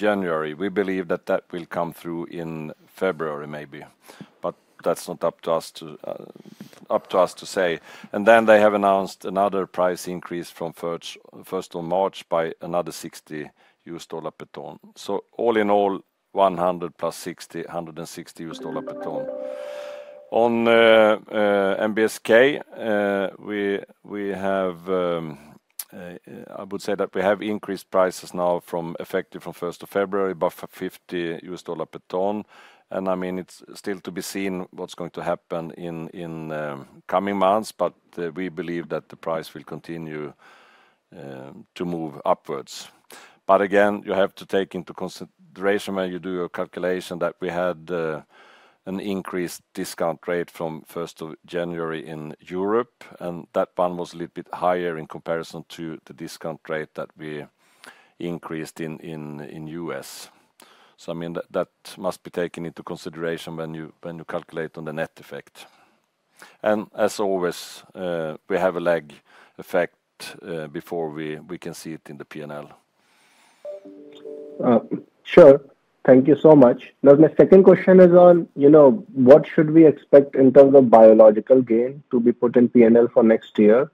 January. We believe that that will come through in February maybe. But that's not up to us to say. And then they have announced another price increase from first on March by another $60 per ton. So all in all, 100 plus 60, $160 per ton. On MBSK, we have, I would say that we have increased prices now from effective from first of February, about $50 per ton. And I mean, it's still to be seen what's going to happen in coming months, but we believe that the price will continue to move upwards. But again, you have to take into consideration when you do your calculation that we had an increased discount rate from first of January in Europe. And that one was a little bit higher in comparison to the discount rate that we increased in U.S. So I mean, that must be taken into consideration when you calculate on the net effect. And as always, we have a lag effect before we can see it in the P&L. Sure. Thank you so much. Now, my second question is on what should we expect in terms of biological gain to be put in P&L for next year?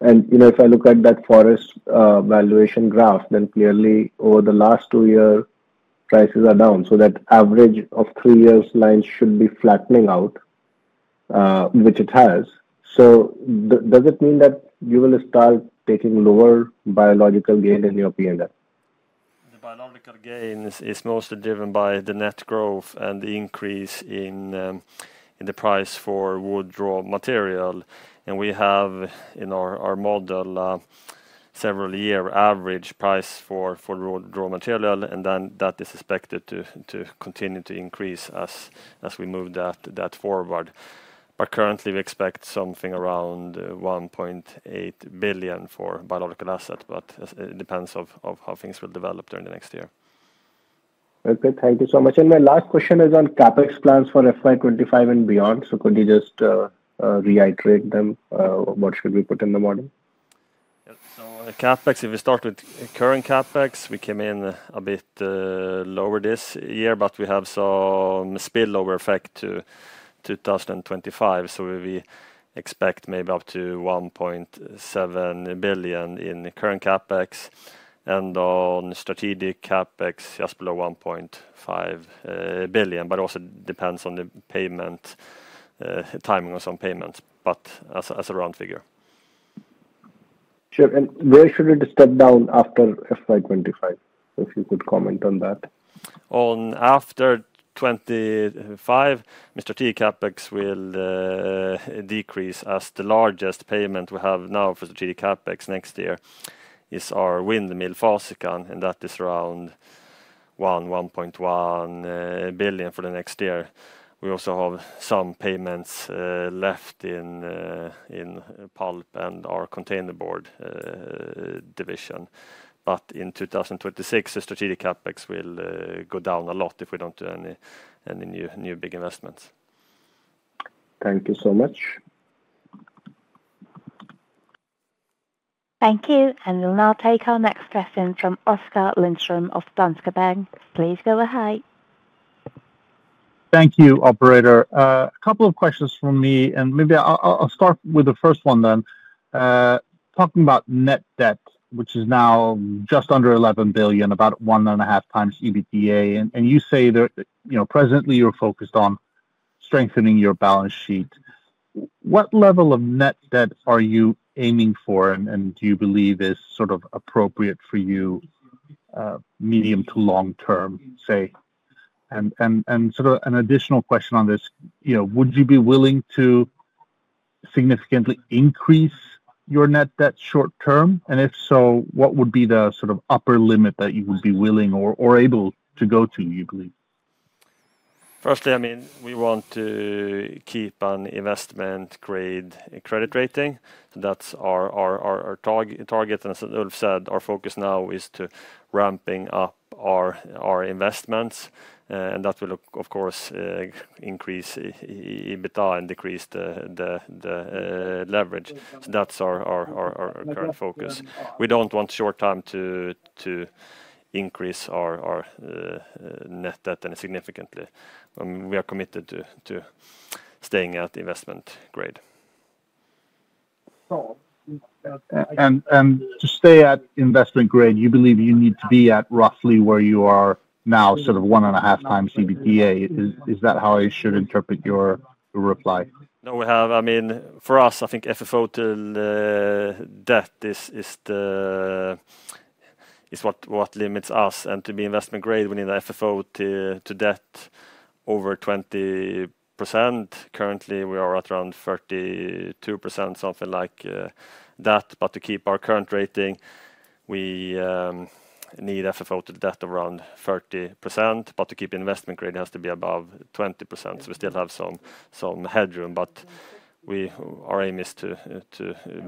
And if I look at that forest valuation graph, then clearly over the last two years, prices are down. So that average of three years lines should be flattening out, which it has. So does it mean that you will start taking lower biological gain in your P&L? The biological gain is mostly driven by the net growth and the increase in the price for wood raw material. And we have in our model several-year average price for raw material. And then that is expected to continue to increase as we move that forward. But currently, we expect something around 1.8 billion for biological asset. But it depends on how things will develop during the next year. Okay. Thank you so much. My last question is on CapEx plans for FY25 and beyond. Could you just reiterate them? What should we put in the model? CapEx, if we start with current CapEx, we came in a bit lower this year, but we have some spillover effect to 2025. We expect maybe up to 1.7 billion in current CapEx. On strategic CapEx, just below 1.5 billion. It also depends on the payment timing of some payments, but as a round figure. Sure. Where should it step down after FY25? If you could comment on that. After 25, strategic CapEx will decrease as the largest payment we have now for strategic CapEx next year is our wind, the Mill Forsikan, and that is around 1.1 billion for the next year. We also have some payments left in pulp and our containerboard division. But in 2026, the strategic CapEx will go down a lot if we don't do any new big investments. Thank you so much. Thank you. And we'll now take our next question from Oskar Lindström of Danske Bank. Please go ahead. Thank you, Operator. A couple of questions from me. And maybe I'll start with the first one then. Talking about net debt, which is now just under 11 billion, about one and a half times EBITDA. And you say that presently you're focused on strengthening your balance sheet. What level of net debt are you aiming for and do you believe is sort of appropriate for you medium to long term, say? And sort of an additional question on this. Would you be willing to significantly increase your net debt short term? And if so, what would be the sort of upper limit that you would be willing or able to go to, you believe? Firstly, I mean, we want to keep an investment grade credit rating. That's our target. And as Ulf said, our focus now is to ramping up our investments. And that will, of course, increase EBITDA and decrease the leverage. So that's our current focus. We don't want short time to increase our net debt any significantly. We are committed to staying at investment grade. And to stay at investment grade, you believe you need to be at roughly where you are now, sort of one and a half times EBITDA. Is that how I should interpret your reply? No, we have. I mean, for us, I think FFO to debt is what limits us. And to be investment grade, we need FFO to debt over 20%. Currently, we are at around 32%, something like that. But to keep our current rating, we need FFO to debt of around 30%. But to keep investment grade, it has to be above 20%. So we still have some headroom. But our aim is to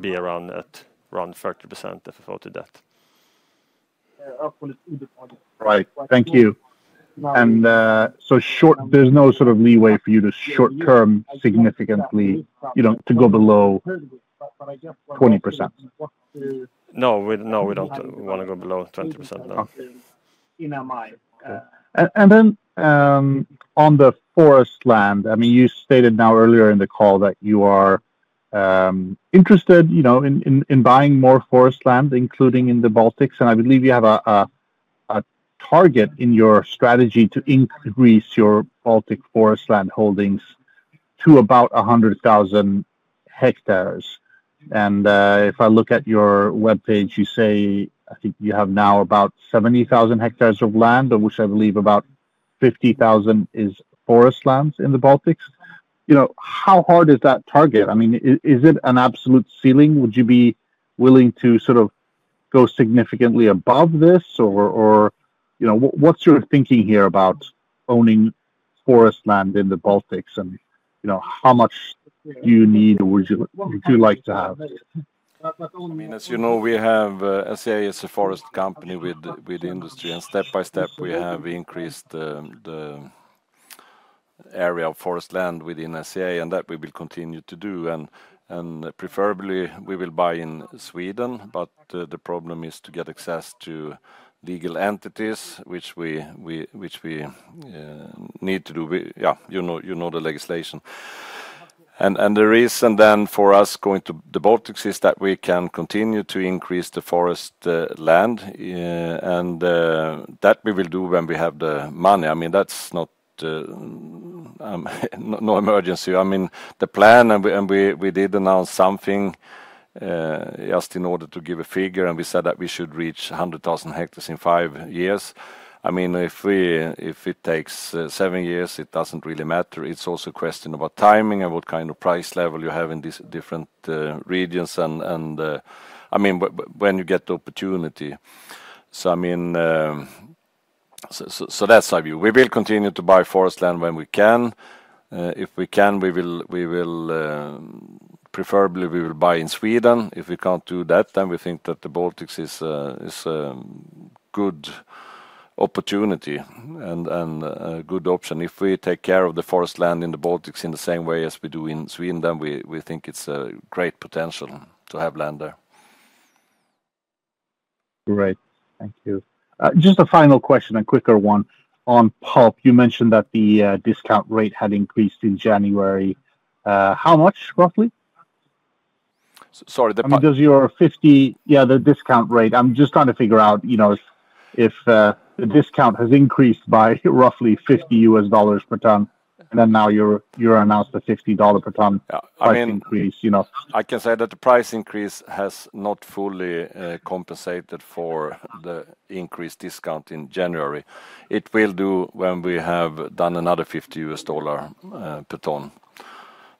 be around at around 30% FFO to debt. Right. Thank you. And so short, there's no sort of leeway for you to short term significantly to go below 20%? No, we don't want to go below 20%. In our mind. And then on the forest land, I mean, you stated now earlier in the call that you are interested in buying more forest land, including in the Baltics. And I believe you have a target in your strategy to increase your Baltic forest land holdings to about 100,000 hectares. And if I look at your web page, you say, I think you have now about 70,000 hectares of land, of which I believe about 50,000 is forest land in the Baltics. How hard is that target? I mean, is it an absolute ceiling? Would you be willing to sort of go significantly above this? Or what's your thinking here about owning forest land in the Baltics? And how much do you need or would you like to have? As you know, we have SCA as a forest company with industry. And step by step, we have increased the area of forest land within SCA. And that we will continue to do. And preferably, we will buy in Sweden. But the problem is to get access to legal entities, which we need to do. Yeah, you know the legislation. The reason then for us going to the Baltics is that we can continue to increase the forest land. That we will do when we have the money. I mean, that's no emergency. I mean, the plan, and we did announce something just in order to give a figure. We said that we should reach 100,000 hectares in five years. I mean, if it takes seven years, it doesn't really matter. It's also a question about timing and what kind of price level you have in these different regions. I mean, when you get the opportunity. I mean, so that's our view. We will continue to buy forest land when we can. If we can, preferably we will buy in Sweden. If we can't do that, then we think that the Baltics is a good opportunity and a good option. If we take care of the forest land in the Baltics in the same way as we do in Sweden, then we think it's a great potential to have land there. Great. Thank you. Just a final question, a quicker one. On pulp, you mentioned that the discount rate had increased in January. How much, roughly? Sorry, the pulp. Yeah, the discount rate. I'm just trying to figure out if the discount has increased by roughly $50 per ton, and then now you've announced a $50 per ton price increase. I can say that the price increase has not fully compensated for the increased discount in January. It will do when we have done another $50 per ton.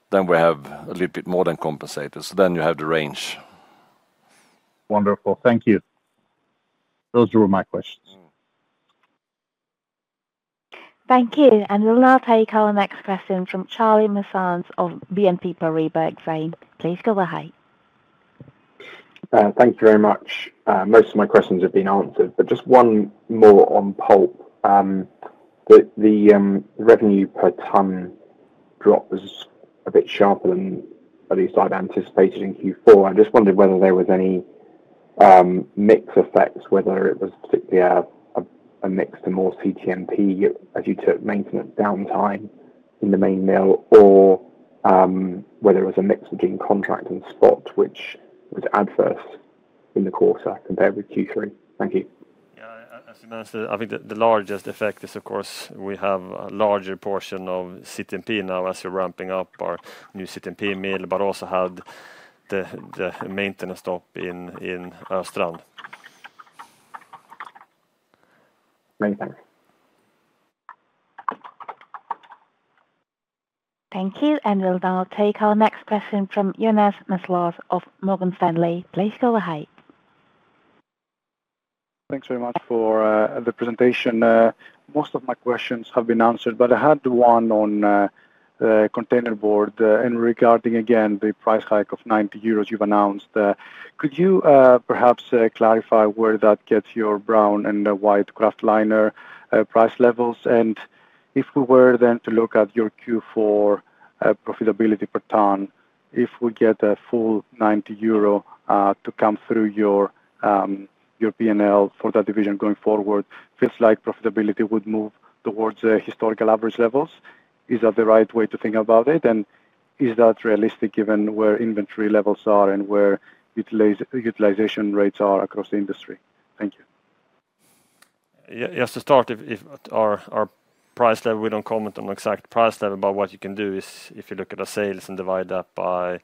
Then we have a little bit more than compensated, so then you have the range. Wonderful. Thank you. Those were my questions. Thank you. We will now take our next question from Charlie Muir-Sands of BNP Paribas Exane. Please go ahead. Thank you very much. Most of my questions have been answered. But just one more on pulp. The revenue per ton drop was a bit sharper than at least I'd anticipated in Q4. I just wondered whether there was any mixed effects, whether it was particularly a mix to more CTMP as you took maintenance downtime in the main mill, or whether it was a mix between contract and spot, which was adverse in the quarter compared with Q3. Thank you. Yeah. I think the largest effect is, of course, we have a larger portion of CTMP now as we're ramping up our new CTMP mill, but also had the maintenance stop in Östrand. Thank you. Thank you. We will now take our next question from Jonas Mårtensson of Morgan Stanley. Please go ahead. Thanks very much for the presentation. Most of my questions have been answered, but I had one on container board and regarding, again, the price hike of 90 euros you've announced. Could you perhaps clarify where that gets your brown and white Kraft liner price levels? And if we were then to look at your Q4 profitability per ton, if we get a full 90 euro to come through your P&L for that division going forward, feels like profitability would move towards historical average levels. Is that the right way to think about it? And is that realistic given where inventory levels are and where utilization rates are across the industry? Thank you. Yes, to start, if our price level, we don't comment on the exact price level, but what you can do is if you look at our sales and divide that by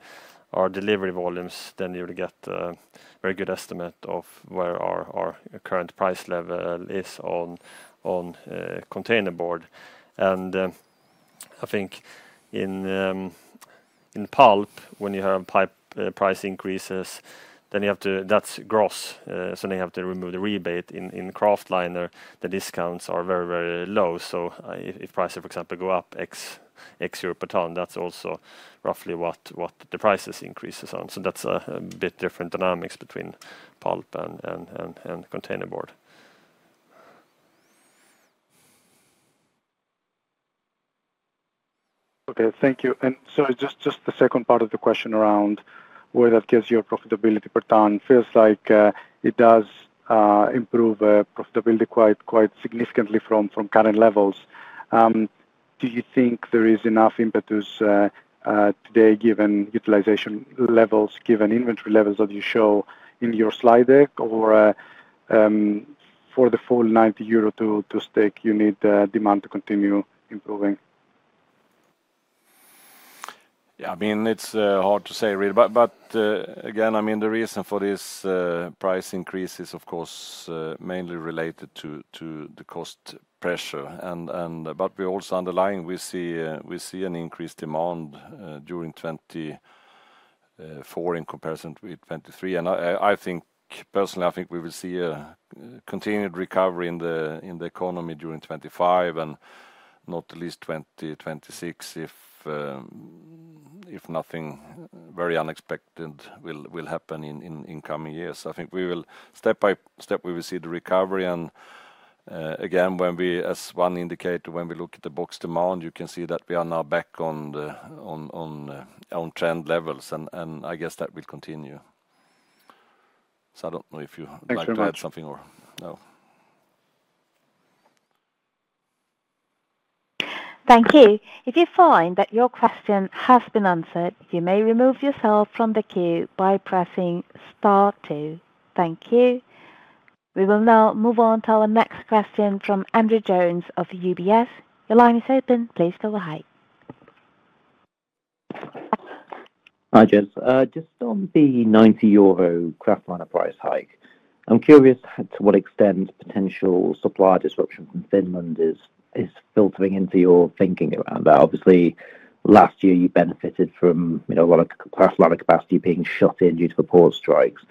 our delivery volumes, then you would get a very good estimate of where our current price level is on containerboard. And I think in pulp, when you have list price increases, then you have to, that's gross. So then you have to remove the rebate in kraft liner. The discounts are very, very low. So if prices, for example, go up X EUR per ton, that's also roughly what the prices increase on. So that's a bit different dynamics between pulp and containerboard. Okay. Thank you. And so just the second part of the question around where that gives your profitability per ton, feels like it does improve profitability quite significantly from current levels. Do you think there is enough impetus today given utilization levels, given inventory levels that you show in your slide deck, or for the full 90 euro target, you need demand to continue improving? Yeah, I mean, it's hard to say, really. But again, I mean, the reason for this price increase is, of course, mainly related to the cost pressure. But we're also underlying, we see an increased demand during 2024 in comparison with 2023. And I think, personally, I think we will see a continued recovery in the economy during 2025 and not at least 2026, if nothing very unexpected will happen in coming years. I think we will, step by step, we will see the recovery. And again, as one indicator, when we look at the box demand, you can see that we are now back on trend levels. And I guess that will continue. So I don't know if you add something or no. Thank you. If you find that your question has been answered, you may remove yourself from the queue by pressing star two. Thank you. We will now move on to our next question from Andrew Jones of UBS. Your line is open. Please go ahead. Hi, James. Just on the 90 euro kraft liner price hike, I'm curious to what extent potential supply disruption from Finland is filtering into your thinking around that. Obviously, last year, you benefited from a lot of kraft liner capacity being shut in due to the port strikes.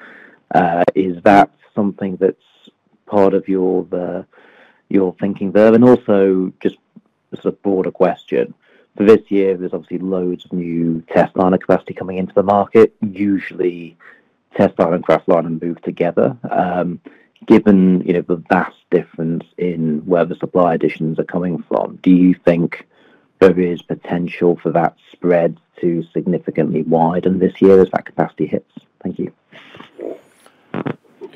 Is that something that's part of your thinking there? And also just sort of broader question. For this year, there's obviously loads of new test liner capacity coming into the market. Usually, test liner and kraft liner move together. Given the vast difference in where the supply additions are coming from, do you think there is potential for that spread to significantly widen this year as that capacity hits? Thank you.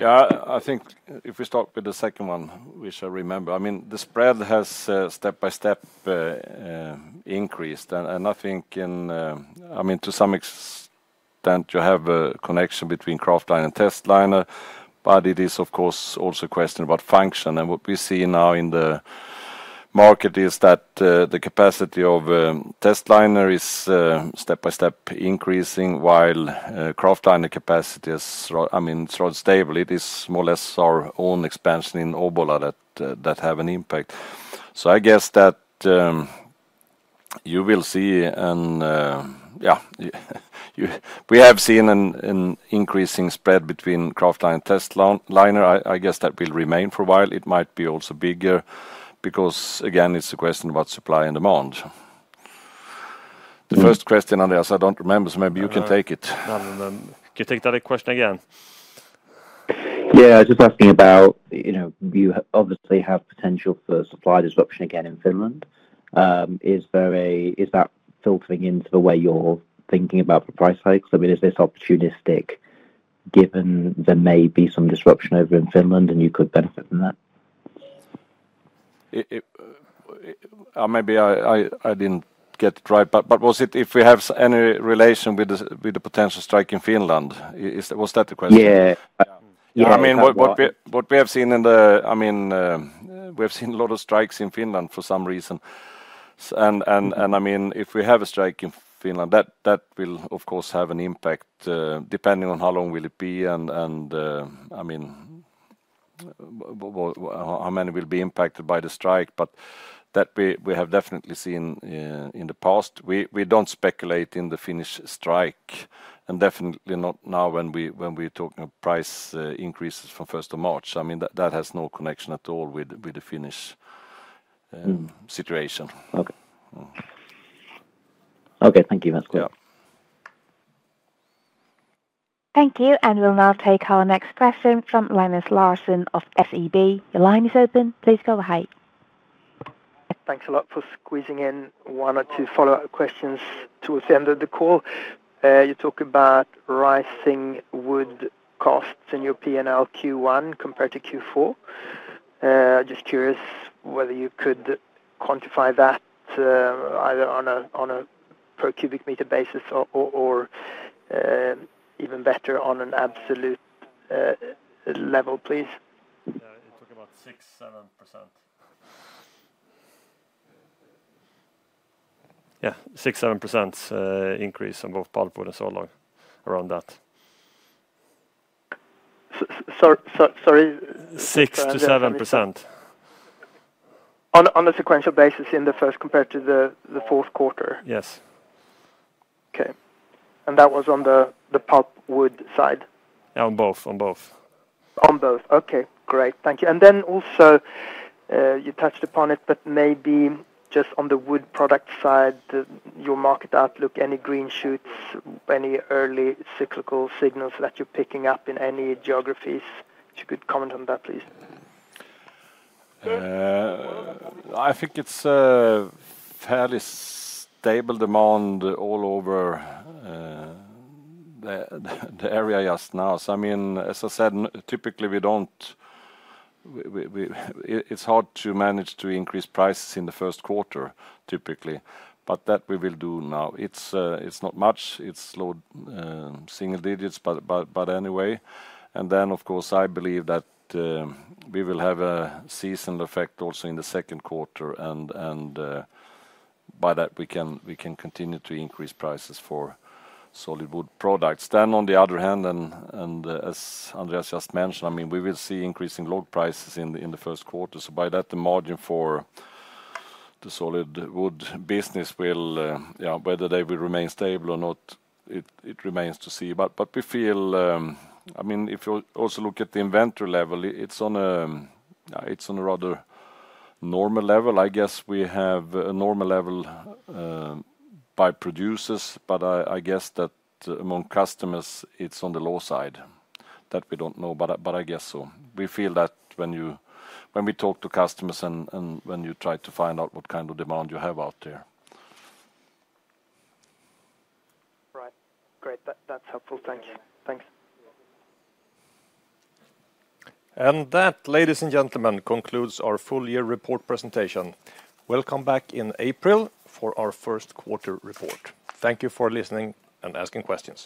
Yeah, I think if we start with the second one, which I remember, I mean, the spread has step by step increased. I think, I mean, to some extent, you have a connection between kraft liner and test liner. But it is, of course, also a question about function. What we see now in the market is that the capacity of test liner is step by step increasing, while kraft liner capacity is, I mean, it's rather stable. It is more or less our own expansion in Obbola that has an impact. So I guess that you will see, yeah, we have seen an increasing spread between kraft liner and test liner. I guess that will remain for a while. It might be also bigger because, again, it's a question about supply and demand. The first question, Andrew, I don't remember, so maybe you can take it. Can you take that question again? Yeah, just asking about, you obviously have potential for supply disruption again in Finland. Is that filtering into the way you're thinking about the price hikes? I mean, is this opportunistic given there may be some disruption over in Finland and you could benefit from that? Maybe I didn't get it right, but was it if we have any relation with the potential strike in Finland? Was that the question? Yeah. I mean, we have seen a lot of strikes in Finland for some reason. And I mean, if we have a strike in Finland, that will, of course, have an impact depending on how long will it be and, I mean, how many will be impacted by the strike. But that we have definitely seen in the past. We don't speculate in the Finnish strike. And definitely not now when we're talking of price increases from 1st of March. I mean, that has no connection at all with the Finnish situation. Okay. Okay, thank you. That's good. Thank you. And we'll now take our next question from Linus Larsson of SEB. Your line is open. Please go ahead. Thanks a lot for squeezing in one or two follow-up questions towards the end of the call. You talk about rising wood costs in your P&L Q1 compared to Q4. Just curious whether you could quantify that either on a per cubic meter basis or even better on an absolute level, please. Talking about 6-7%. Yeah, 6-7% increase on both pulp wood and saw log around that. Sorry. 6-7%. On a sequential basis in the first compared to the Q4? Yes. Okay. And that was on the pulp wood side? On both. On both. On both. Okay. Great. Thank you. And then also you touched upon it, but maybe just on the wood product side, your market outlook, any green shoots, any early cyclical signals that you're picking up in any geographies? If you could comment on that, please. I think it's a fairly stable demand all over the area just now. So, I mean, as I said, typically we don't. It's hard to manage to increase prices in the Q1, typically. But that we will do now. It's not much. It's low single digits, but anyway. And then, of course, I believe that we will have a seasonal effect also in the Q2. And by that, we can continue to increase prices for solid wood products. Then, on the other hand, and as Andreas just mentioned, I mean, we will see increasing log prices in the Q1. So by that, the margin for the solid wood business will, yeah, whether they will remain stable or not, it remains to see. But we feel, I mean, if you also look at the inventory level, it's on a rather normal level. I guess we have a normal level by producers, but I guess that among customers, it's on the low side that we don't know. But I guess so. We feel that when we talk to customers and when you try to find out what kind of demand you have out there. Right. Great. That's helpful. Thanks. Thanks. And that, ladies and gentlemen, concludes our full year report presentation. We'll come back in April for our Q1 report. Thank you for listening and asking questions.